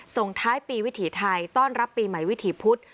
ส่งท้ายปีวิถีไทยต้อนรับปีใหม่วิถีพุธ